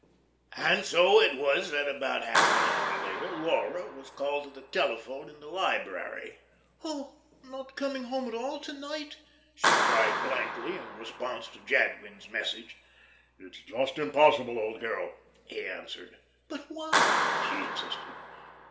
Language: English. And so it was that about half an hour later Laura was called to the telephone in the library. "Oh, not coming home at all to night?" she cried blankly in response to Jadwin's message. "It's just impossible, old girl," he answered. "But why?" she insisted.